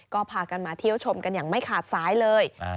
ก็พากันมาเที่ยวชมกันอย่างไม่ขาดสายเลย